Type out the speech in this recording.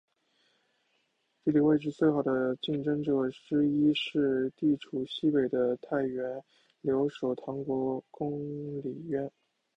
地理位置最好的竞争者之一是地处西北的太原留守唐国公李渊。